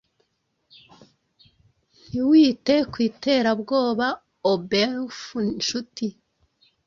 Ntiwite ku iterabwoba OhBeowulf nshuti